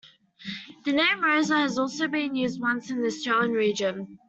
The name Rosa has also been used once in the Australian region.